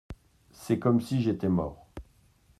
C'est comme si j'étais mort.